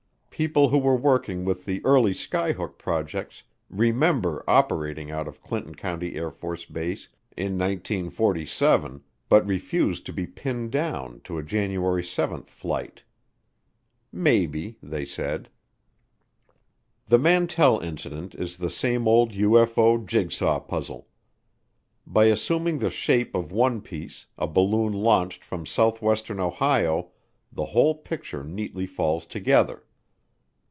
People who were working with the early skyhook projects "remember" operating out of Clinton County AFB in 1947 but refuse to be pinned down to a January 7 flight. Maybe, they said. The Mantell Incident is the same old UFO jigsaw puzzle. By assuming the shape of one piece, a balloon launched from southwestern Ohio, the whole picture neatly falls together.